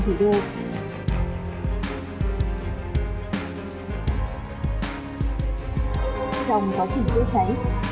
trong quá trình chữa cháy